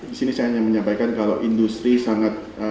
disini saya hanya menyampaikan kalau industri sangat